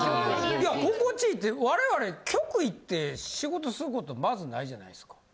いや心地いいって我々局行って仕事することまずないじゃないですか。